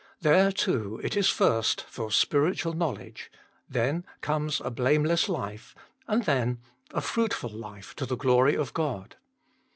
There, too, it is first for spiritual knowledge ; then comes a blameless life, and then a fruitful life to the glory of God.